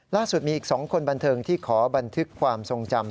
ล่าสุดมีอีก๒คนบันเทิงที่ขอบันทึกความทรงจำ